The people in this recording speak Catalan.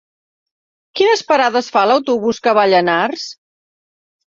Quines parades fa l'autobús que va a Llanars?